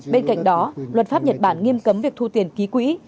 bên cạnh đó luật pháp nhật bản nghiêm cấm việc thu tiền ký quỹ